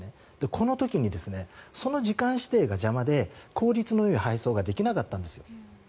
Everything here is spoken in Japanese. この時にその時間指定が邪魔で効率のよい配送ができなかったんですよ。